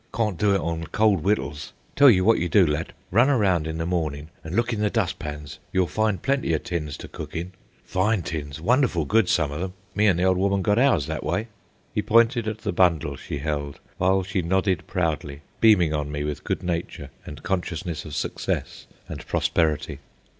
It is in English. Cawn't do it on cold wittles. Tell you wot you do, lad. Run around in the mornin' an' look in the dust pans. You'll find plenty o' tins to cook in. Fine tins, wonderful good some o' them. Me an' the ole woman got ours that way." (He pointed at the bundle she held, while she nodded proudly, beaming on me with good nature and consciousness of success and prosperity.)